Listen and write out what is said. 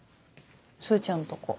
すーちゃんとこ。